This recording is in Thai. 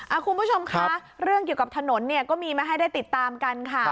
คุณผู้ชมคะเรื่องเกี่ยวกับถนนเนี่ยก็มีมาให้ได้ติดตามกันค่ะ